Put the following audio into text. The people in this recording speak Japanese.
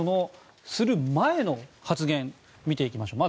する前の発言見ていきましょう。